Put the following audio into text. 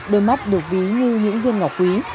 đôi mắt được ví như những viên ngọc quý